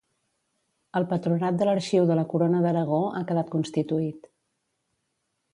El Patronat de l'Arxiu de la Corona d'Aragó ha quedat constituït.